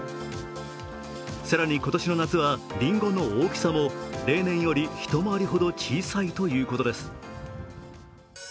更に今年の夏はりんごの大きさも例年より一回り小さいということです。